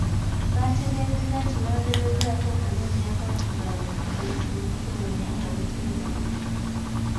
Baategeezezza nti bagezezzaako okunoonya abantu baabwe ku Poliisi ez'enjawulo naye nga buteerere.